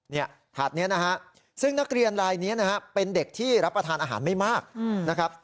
หาดนี้นะฮะซึ่งนักเรียนรายนี้นะฮะเป็นเด็กที่รับประทานอาหารไม่มากนะครับ